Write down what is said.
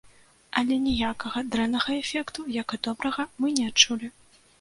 Але ніякага дрэннага эфекту, як і добрага, мы не адчулі.